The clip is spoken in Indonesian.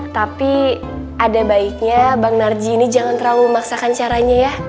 tapi ada baiknya bang narji ini jangan terlalu memaksakan caranya ya